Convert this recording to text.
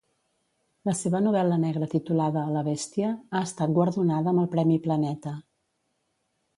La seva novel·la negra titulada "La bestia" ha estat guardonada amb el Premi Planeta.